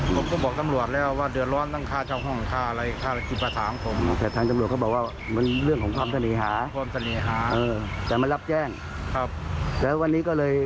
ผมก็บอกตำรวจแล้วว่าเดือดร้อนต้องฆ่าเจ้าห้องของข้าอะไร